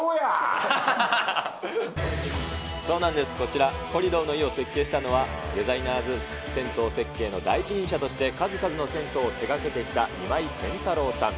そうなんです、こちら、コリドーの湯を設計したのは、デザイナーズ銭湯設計の第一人者として、数々の銭湯を手がけてきた今井健太郎さん。